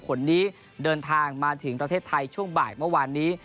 คนนี้เดินทางมาถึงประเทศไทยช่วงบ่ายเมื่อวานนี้